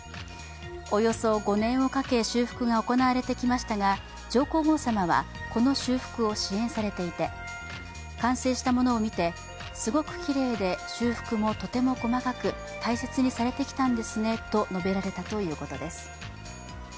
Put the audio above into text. およそ５年をかけ修復が行われてきましたが上皇后さまはこの修復を支援されていて完成したものを見てすごくきれいで修復もとても細かく大切にされてきたんですねと述べられたということです。